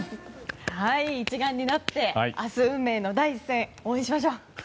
一丸になって明日、運命の第一戦応援しましょう！